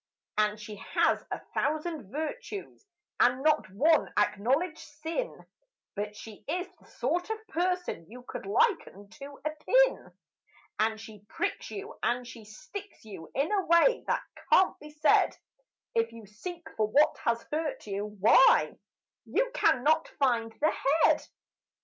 And she has a thousand virtues and not one acknowledged sin, But she is the sort of person you could liken to a pin, And she pricks you, and she sticks you, in a way that can't be said When you seek for what has hurt you, why, you cannot find the head.